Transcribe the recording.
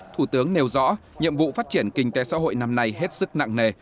thủ tướng nêu rõ nhiệm vụ phát triển kinh tế xã hội năm nay hết sức nặng nề